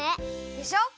でしょ。